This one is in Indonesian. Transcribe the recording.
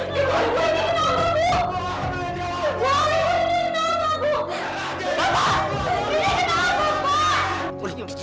sudah menghentikan masa yang sedikit pak